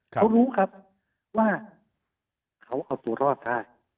เขารู้ครับว่าเขาเอาตัวรอดได้